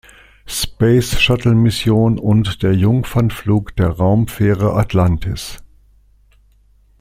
Space-Shuttle-Mission und der Jungfernflug der Raumfähre Atlantis.